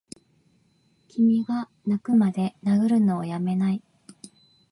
君がッ泣くまで殴るのをやめないッ！